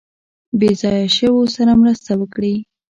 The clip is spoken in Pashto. بې ځایه شویو سره مرسته وکړي.